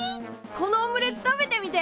このオムレツ食べてみて！